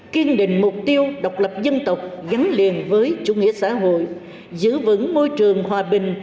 kiên định mục tiêu độc lập dân tộc gắn liền với chủ nghĩa xã hội giữ vững môi trường hòa bình